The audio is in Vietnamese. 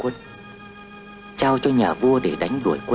nào con vua giỏi quá